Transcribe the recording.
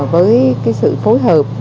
với cái sự phối hợp